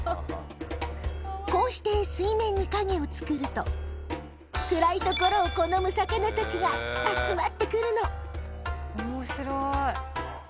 こうして水面に影を作ると暗い所を好む魚たちが集まってくるの面白い。